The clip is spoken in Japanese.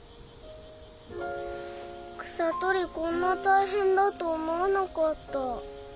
草とりこんなたいへんだと思わなかった。